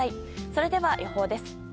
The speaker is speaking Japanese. それでは予報です。